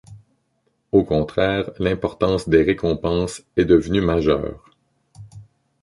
Au contraire, l'importance des récompenses est devenue majeure.